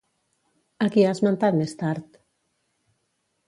A qui ha esmentat més tard?